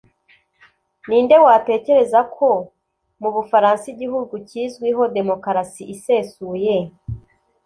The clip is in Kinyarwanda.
ni nde watekereza ko mu bufaransa, igihugu kizwiho demokarasi isesuye